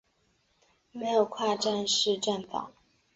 设有跨站式站房。